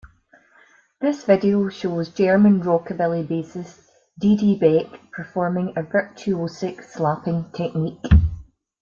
This video shows German rockabilly bassist Didi Beck performing a virtuosic slapping technique.